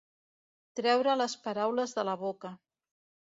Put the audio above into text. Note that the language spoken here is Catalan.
Treure les paraules de la boca.